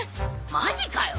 マジかよ！